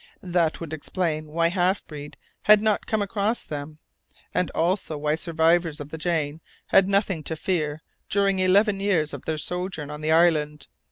That would explain why the half breed had not come across them, and also why the survivors of the Jane had had nothing to fear during the eleven years of their sojourn in the island.